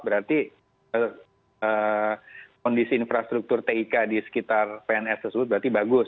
berarti kondisi infrastruktur tik di sekitar pns tersebut berarti bagus